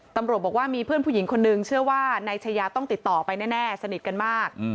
ตำรวจบอกว่ามีเพื่อนผู้หญิงคนนึงเชื่อว่านายชายาต้องติดต่อไปแน่สนิทกันมาก